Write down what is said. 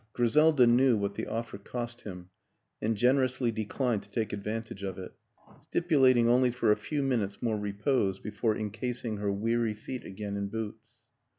Griseida knew what the offer cost him and generously declined to take advantage of it stipulating only for a few minutes more repose before incasing her weary feet again in boots.